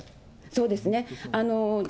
そうですね。